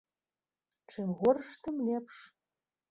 Чым горш, тым лепш.